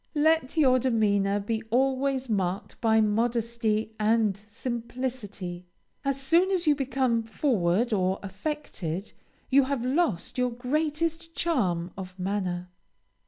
Let your demeanor be always marked by modesty and simplicity; as soon as you become forward or affected, you have lost your greatest charm of manner.